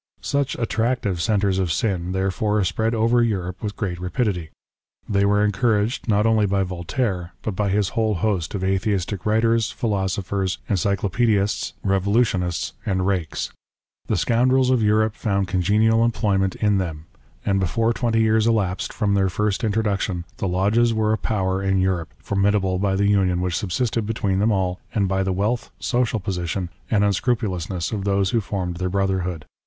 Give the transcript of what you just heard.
Such attractive centres of sin, therefore, spread over Europe with great rapidity. They were encouraged not only by Voltaire, but by his whole host of Atheistic writers, philosophers, encyclopaedists, revolutionists, ^ See section xxi. " Freemasonry with Oui'selves," page 121. 26 WAR OF ANTICHRIST WITH THE CHURCH. and rakes. The scoundrels of Europe found congenial employment in them; and before twenty years elapsed from their first intro duction, the lodges were a power in Europe, formidable by the union which subsisted between them all, and by the wealth, social position, and unscrupulousness of those who formed their brotherhood.